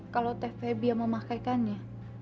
kalau tvb yang memakaikannya